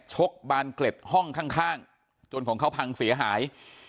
กบานเกล็ดห้องข้างจนของเขาพังเสียหาย